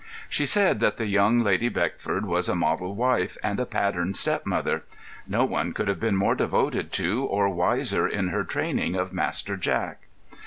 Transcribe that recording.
She said that the young Lady Beckford was a model wife and a pattern stepmother. No one could have been more devoted to or wiser in her training of Master Jack.